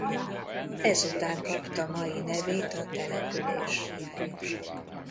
Ezután kapta mai nevét a település.